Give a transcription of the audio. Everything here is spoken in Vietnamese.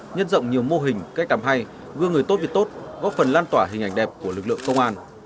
nhân rộng nhiều mô hình cách làm hay gương người tốt việc tốt góp phần lan tỏa hình ảnh đẹp của lực lượng công an